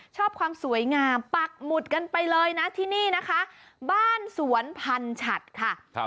ความสวยงามปักหมุดกันไปเลยนะที่นี่นะคะบ้านสวนพันฉัดค่ะ